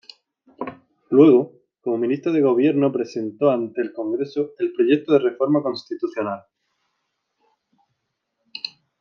Luego, como Ministro de Gobierno presentó ante el Congreso el proyecto de Reforma Constitucional.